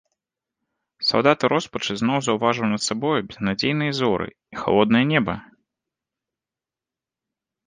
Салдат у роспачы зноў заўважыў над сабою безнадзейныя зоры і халоднае неба.